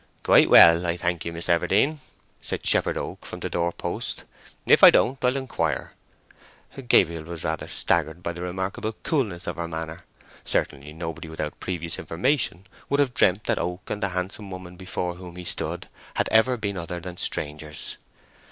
"Quite well, I thank you, Miss Everdene," said Shepherd Oak from the doorpost. "If I don't, I'll inquire." Gabriel was rather staggered by the remarkable coolness of her manner. Certainly nobody without previous information would have dreamt that Oak and the handsome woman before whom he stood had ever been other than strangers.